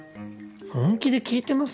本気で聞いてます？